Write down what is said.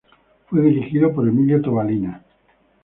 Fue dirigido por Emilio Tobalina.